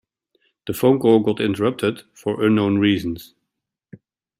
The phone call got interrupted for unknown reasons.